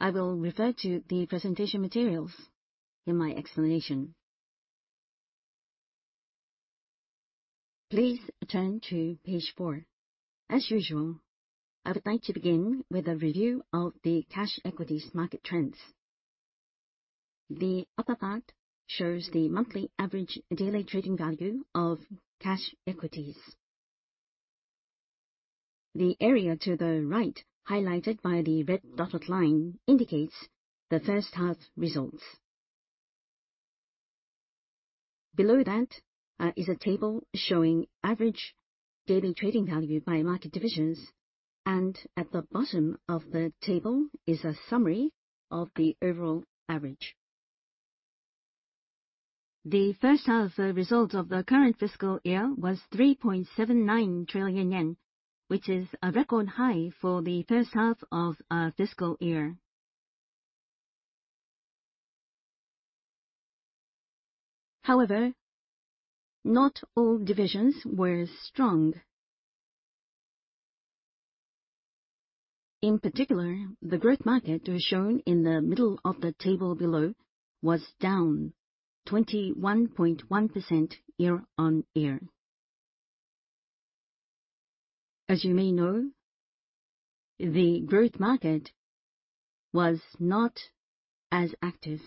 I will refer to the presentation materials in my explanation. Please turn to page four. As usual, I would like to begin with a review of the cash equities market trends. The upper part shows the monthly average daily trading value of cash equities. The area to the right, highlighted by the red dotted line, indicates the first half results. Below that, is a table showing average daily trading value by market divisions, and at the bottom of the table is a summary of the overall average. The first half result of the current fiscal year was 3.79 trillion yen, which is a record high for the first half of our fiscal year. However, not all divisions were strong. In particular, the Growth Market shown in the middle of the table below was down 21.1% year-on-year. As you may know, the Growth Market was not as active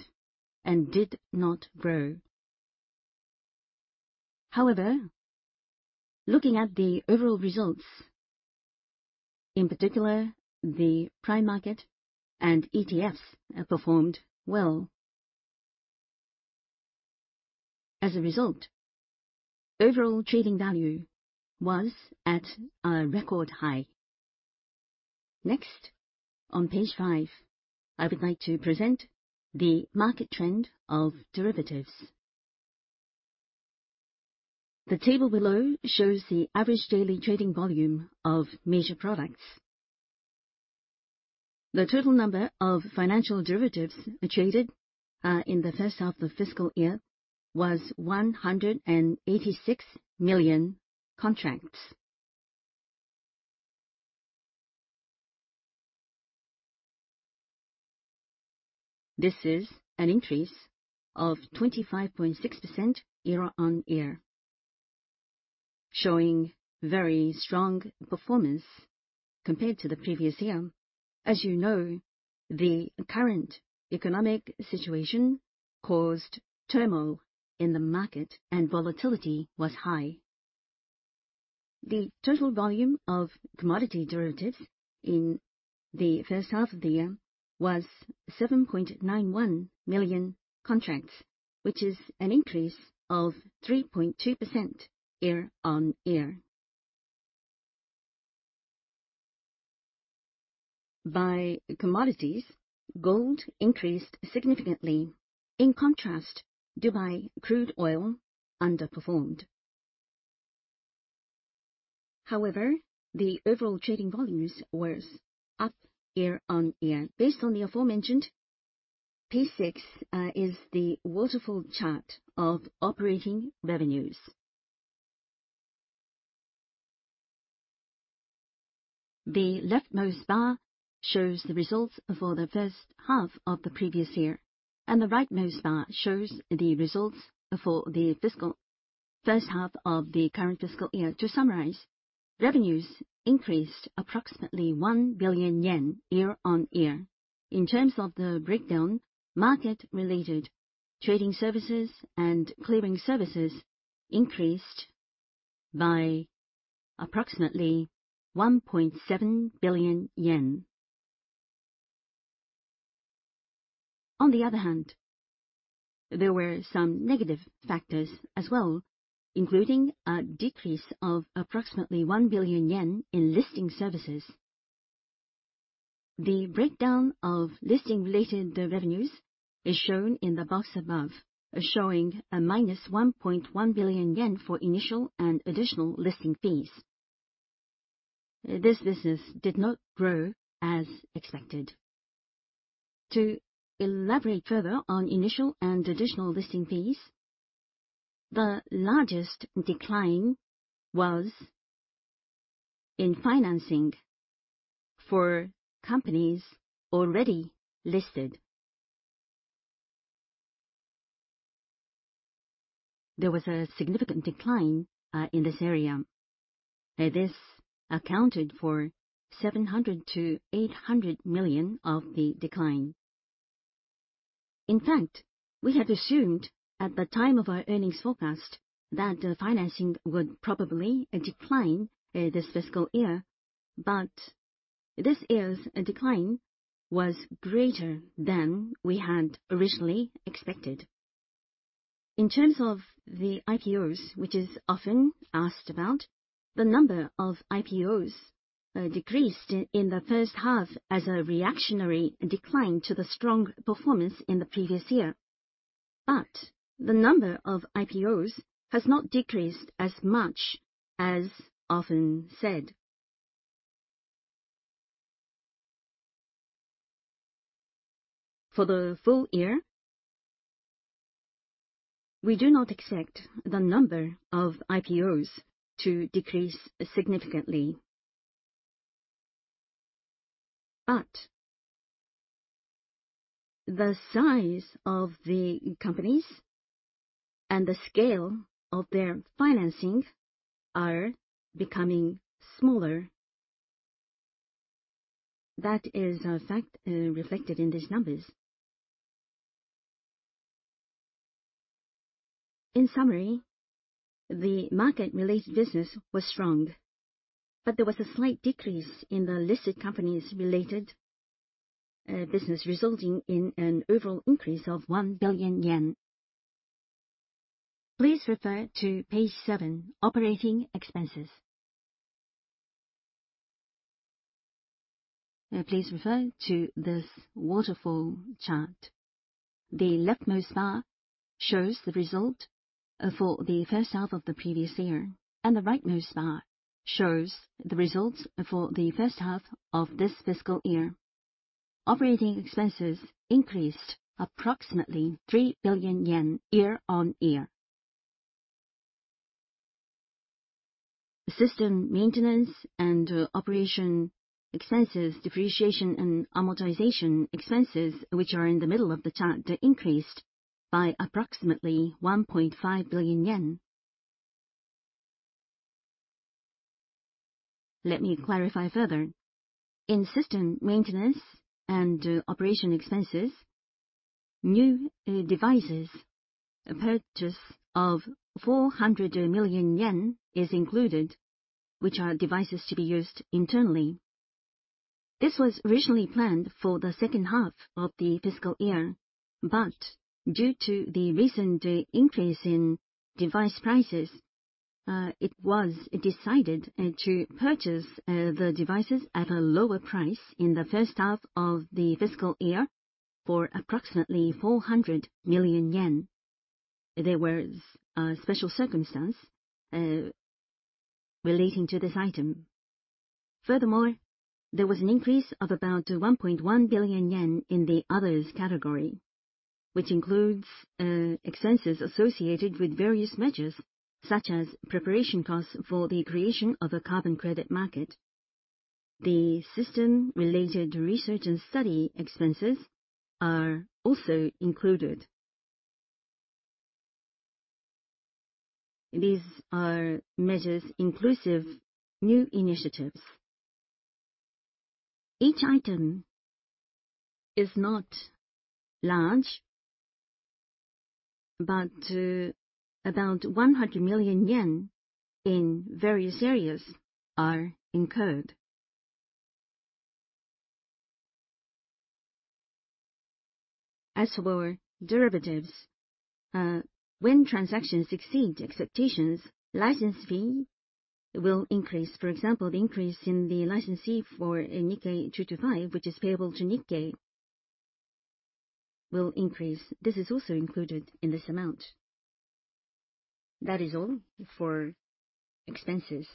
and did not grow. However, looking at the overall results, in particular, the Prime Market and ETFs performed well. As a result, overall trading value was at a record high. Next, on page five, I would like to present the market trend of derivatives. The table below shows the average daily trading volume of major products. The total number of financial derivatives traded in the first half of fiscal year was 186 million contracts. This is an increase of 25.6% year-over-year, showing very strong performance compared to the previous year. As you know, the current economic situation caused turmoil in the market and volatility was high. The total volume of commodity derivatives in the first half of the year was 7.91 million contracts, which is an increase of 3.2% year-on-year. By commodities, gold increased significantly. In contrast, Dubai crude oil underperformed. However, the overall trading volumes was up year-on-year. Based on the aforementioned, page six is the waterfall chart of operating revenues. The leftmost bar shows the results for the first half of the previous year, and the rightmost bar shows the results for the fiscal first half of the current fiscal year. To summarize, revenues increased approximately 1 billion yen year-on-year. In terms of the breakdown, market-related trading services and clearing services increased by approximately JPY 1.7 billion. On the other hand, there were some negative factors as well, including a decrease of approximately 1 billion yen in listing services. The breakdown of listing-related revenues is shown in the box above, showing a -1.1 billion yen for initial and additional listing fees. This business did not grow as expected. To elaborate further on initial and additional listing fees, the largest decline was in financing for companies already listed. There was a significant decline in this area. This accounted for JYP 700 million-JYP 800 million of the decline. In fact, we had assumed at the time of our earnings forecast that financing would probably decline this fiscal year, but this decline was greater than we had originally expected. In terms of the IPOs, which is often asked about, the number of IPOs decreased in the first half as a reactionary decline to the strong performance in the previous year. The number of IPOs has not decreased as much as often said. For the full year. We do not expect the number of IPOs to decrease significantly. The size of the companies and the scale of their financing are becoming smaller. That is a fact, reflected in these numbers. In summary, the market-related business was strong, but there was a slight decrease in the listed companies related business resulting in an overall increase of 1 billion yen. Please refer to page seven, Operating Expenses. Please refer to this waterfall chart. The leftmost bar shows the result for the first half of the previous year, and the rightmost bar shows the results for the first half of this fiscal year. Operating expenses increased approximately JPY 3 billion year-on-year. System maintenance and operation expenses, depreciation and amortization expenses, which are in the middle of the chart, increased by approximately JPY 1.5 billion. Let me clarify further. In system maintenance and operation expenses, new devices, a purchase of 400 million yen is included, which are devices to be used internally. This was originally planned for the second half of the fiscal year, but due to the recent increase in device prices, it was decided to purchase the devices at a lower price in the first half of the fiscal year for approximately 400 million yen. There was a special circumstance relating to this item. Furthermore, there was an increase of about 1.1 billion yen in the Others category, which includes expenses associated with various measures, such as preparation costs for the creation of a Carbon Credit Market. The system-related research and study expenses are also included. These are measures including new initiatives. Each item is not large but, about 100 million yen in various areas are incurred. As for derivatives, when transactions exceed expectations, license fee will increase. For example, the increase in the license fee for Nikkei 225, which is payable to Nikkei, will increase. This is also included in this amount. That is all for expenses.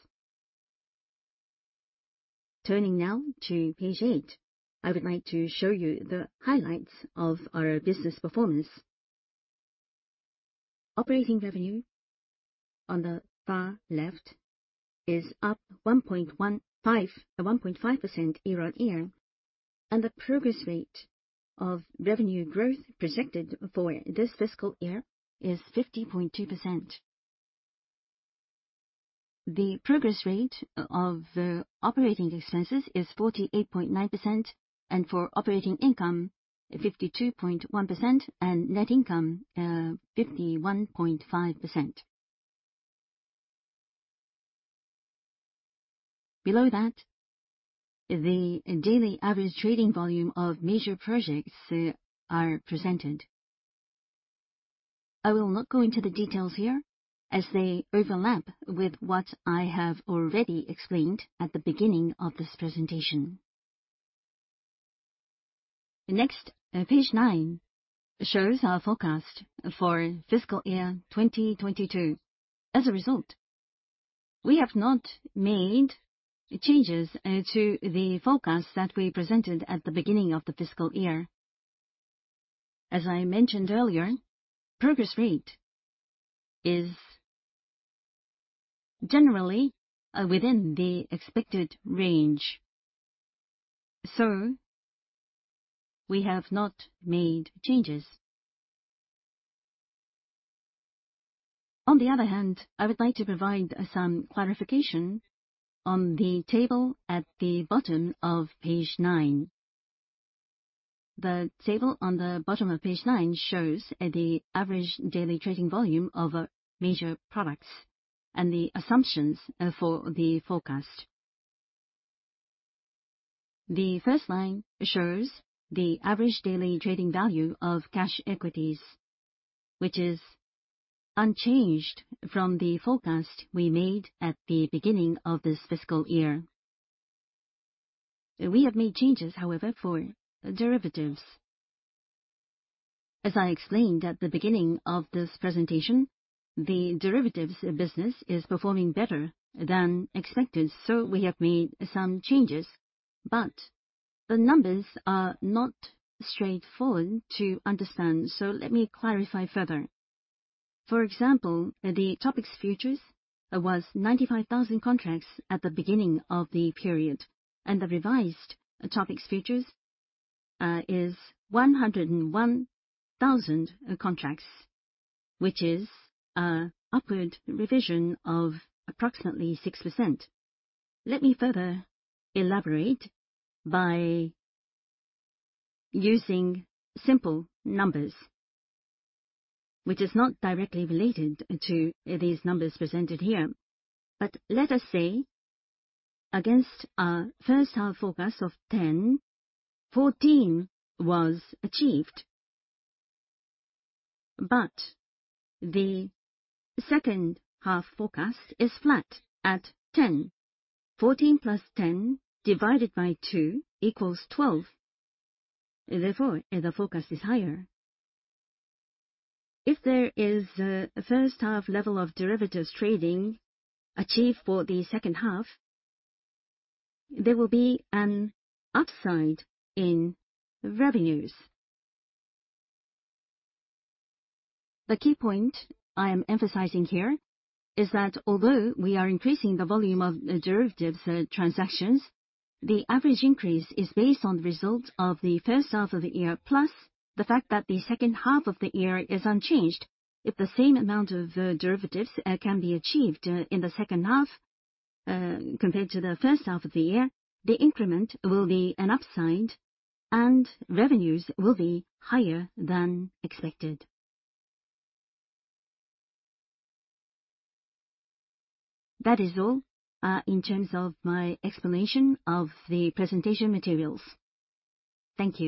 Turning now to page eight, I would like to show you the highlights of our business performance. Operating revenue on the far left is up 1.5% year-on-year, and the progress rate of revenue growth projected for this fiscal year is 50.2%. The progress rate of operating expenses is 48.9%, and for operating income, 52.1%, and net income, 51.5%. Below that, the daily average trading volume of major products are presented. I will not go into the details here as they overlap with what I have already explained at the beginning of this presentation. Next, page nine shows our forecast for fiscal year 2022. As a result, we have not made changes to the forecast that we presented at the beginning of the fiscal year. As I mentioned earlier, progress rate is generally within the expected range, so we have not made changes. On the other hand, I would like to provide some clarification on the table at the bottom of page nine. The table on the bottom of page nine shows the average daily trading volume of major products and the assumptions for the forecast. The first line shows the average daily trading value of cash equities, which is unchanged from the forecast we made at the beginning of this fiscal year. We have made changes, however, for derivatives. As I explained at the beginning of this presentation, the derivatives business is performing better than expected, so we have made some changes. The numbers are not straightforward to understand, so let me clarify further. For example, the TOPIX futures was 95,000 contracts at the beginning of the period, and the revised TOPIX futures is 101,000 contracts, which is an upward revision of approximately 6%. Let me further elaborate by using simple numbers, which is not directly related to these numbers presented here. Let us say against our first half forecast of 10, 14 was achieved. The second half forecast is flat at 10. 14 plus 10 divided by 2 equals 12. Therefore, the forecast is higher. If there is a first half level of derivatives trading achieved for the second half, there will be an upside in revenues. The key point I am emphasizing here is that although we are increasing the volume of derivatives transactions, the average increase is based on the results of the first half of the year, plus the fact that the second half of the year is unchanged. If the same amount of derivatives can be achieved in the second half, compared to the first half of the year, the increment will be an upside and revenues will be higher than expected. That is all, in terms of my explanation of the presentation materials. Thank you.